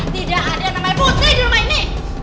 tidak ada namanya putri di rumah ini